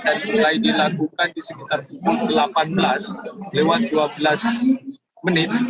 dan mulai dilakukan di sekitar delapan belas lewat dua belas menit